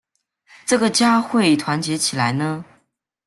这个家会团结起来呢？